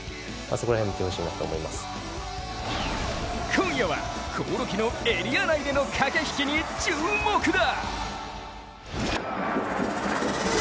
今夜は興梠のエリア内での駆け引きに注目だ。